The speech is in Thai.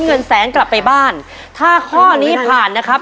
ยังเหลือเวลาทำไส้กรอกล่วงได้เยอะเลยลูก